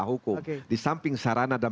hukum di samping sarana dan